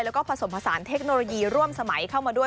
แล้วก็ผสมผสานเทคโนโลยีร่วมสมัยเข้ามาด้วย